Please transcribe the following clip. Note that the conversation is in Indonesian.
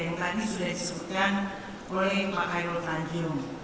yang tadi sudah disebutkan oleh pak khairul tanjung